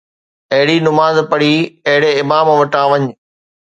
اھڙي نماز پڙھي، اھڙي امام وٽان وڃ